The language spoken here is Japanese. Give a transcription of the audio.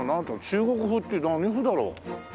中国風何風だろう？